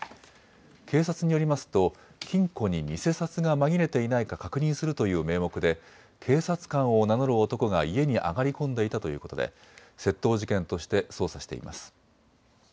警察によりますと金庫に偽札が紛れていないか確認するという名目で警察官を名乗る男が家に上がり込んでいたということで窃盗事件として捜査しています。